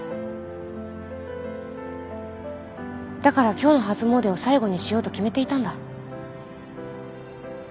だから今日の初詣を最後にしようと決めていたんだ。